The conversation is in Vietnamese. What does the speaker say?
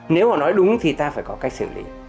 nếu mà nói đúng thì ta phải có cách xử lý